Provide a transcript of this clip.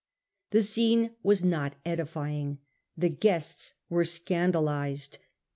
The scene was not edifying. The guests were scandalised.